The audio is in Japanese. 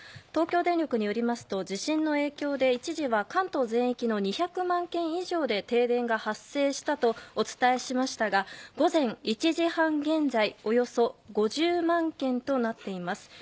東京電力によりますと地震の影響で一時は関東全域の２００万軒以上で停電が発生したとお伝えしましたが午前１時半現在およそ５０万軒となっています。